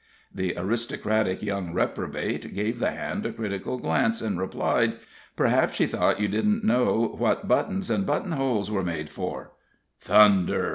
The aristocratic young reprobate gave the hand a critical glance, and replied: "Perhaps she thought you didn't know what buttons and buttonholes were made for." "Thunder!"